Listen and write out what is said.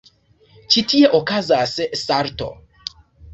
Ĉi tie okazas salto.